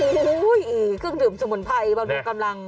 อ๋อเฮ้ยเครื่องดื่มสมุนไพรบางทีกำลัง